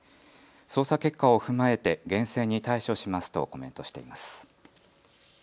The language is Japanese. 捜査結果を踏まえて厳正に対処しますとコメントしています。